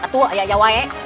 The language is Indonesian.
itu ayah ayah apa